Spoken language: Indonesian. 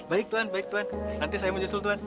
baik tuan baik tuan nanti saya menyusul tuan